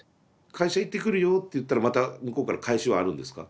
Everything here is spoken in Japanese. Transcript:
会社行ってくるよって言ったらまた向こうから返しはあるんですか？